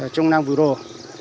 trong năm vừa rồi